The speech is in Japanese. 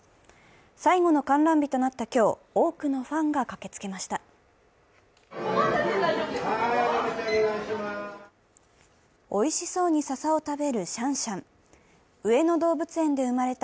最後の観覧日となった今日、多くのファンが駆けつけました。